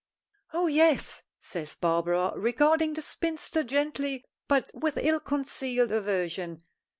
"Oh, yes," says Barbara, regarding the spinster gently but with ill concealed aversion.